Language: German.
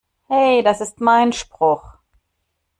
Hey, das ist mein Spruch!